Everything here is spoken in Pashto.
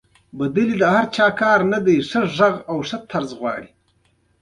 همکاري د ټولنې ریښه او اساس جوړوي.